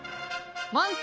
満点！